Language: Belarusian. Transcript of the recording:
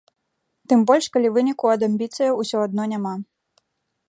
Тым больш калі выніку ад амбіцыяў усё адно няма.